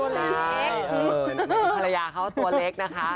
หน้าภรรยาเค้าตัวเล็กนะคะ